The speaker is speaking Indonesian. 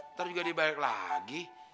ntar juga dibalik lagi